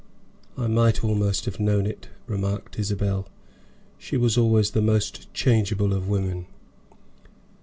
"I might almost have known it," remarked Isabel. "She was always the most changeable of women."